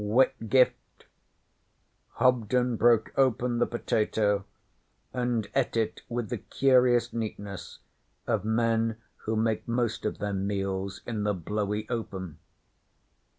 'Whitgift.' Hobden broke open the potato and ate it with the curious neatness of men who make most of their meals in the blowy open.